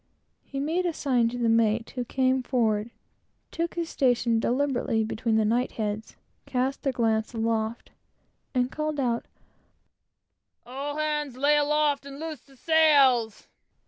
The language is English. He made a sign to the mate, who came forward, took his station, deliberately between the knight heads, cast a glance aloft, and called out, "All hands, lay aloft and loose the sails!"